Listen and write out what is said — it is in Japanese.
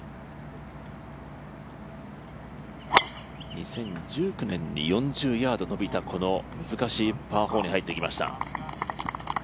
２０１９年に４０ヤードのびたこの難しいパー４に入ってきました。